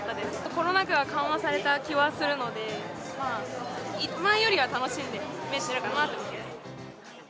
コロナ禍が緩和された気はするので、前よりは楽しめてるかなって思います。